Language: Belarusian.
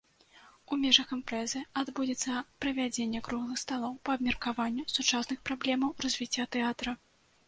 У межах імпрэзы адбудзецца правядзенне круглых сталоў па абмеркаванню сучасных праблемаў развіцця тэатра.